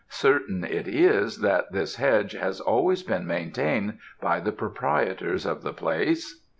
Certain, it is, that this hedge has always been maintained by the proprietors of the place.'